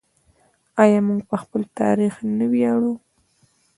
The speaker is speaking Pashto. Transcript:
آیا موږ په خپل تاریخ نه ویاړو؟